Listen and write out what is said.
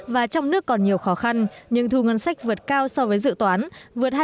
và trong nước còn nhiều khó khăn nhưng thu ngân sách vượt cao so với dự toán vượt hai